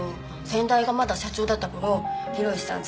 先代がまだ社長だった頃寛さん